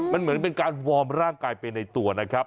มันเหมือนเป็นการวอร์มร่างกายไปในตัวนะครับ